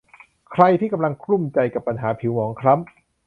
ใครที่กำลังกลุ้มใจกับปัญหาผิวหมองคล้ำ